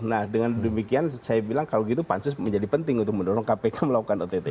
nah dengan demikian saya bilang kalau gitu pansus menjadi penting untuk mendorong kpk melakukan ott